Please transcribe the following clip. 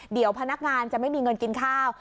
เดี๋ยวพนักงานจะไม่มีเงินกินข้าว